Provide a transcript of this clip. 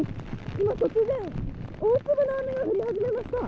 今、突然、大粒の雨が降り始めました。